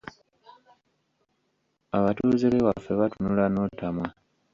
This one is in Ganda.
Abatuuze b’ewaffe batunula n’otamwa.